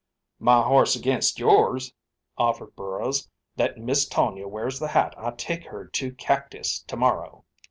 "My horse against yours," offered Burrows, "that Miss Tonia wears the hat I take her to Cactus to morrow."